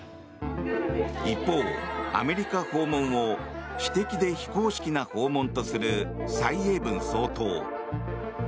一方、アメリカ訪問を指摘で非公式な訪問とする蔡英文総統。